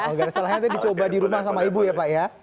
nggak ada salahnya nanti dicoba di rumah sama ibu ya pak ya